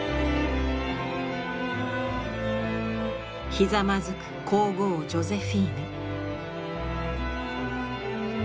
ひざまずく皇后ジョゼフィーヌ。